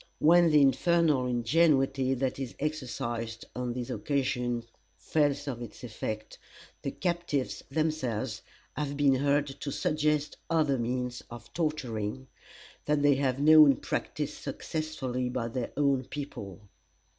When the infernal ingenuity that is exercised on these occasions fails of its effect, the captives themselves have been heard to suggest other means of torturing that they have known practised successfully by their own people.